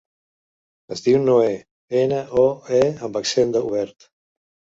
Es diu Noè: ena, o, e amb accent obert.